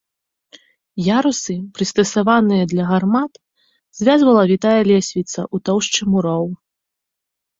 Ярусы, прыстасаваныя для гармат, звязвала вітая лесвіца ў тоўшчы муроў.